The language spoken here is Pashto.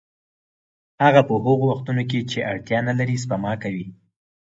هغه په هغو وختونو کې چې اړتیا نلري سپما کوي